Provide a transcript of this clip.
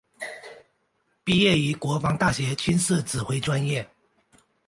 毕业于国防大学军事指挥专业。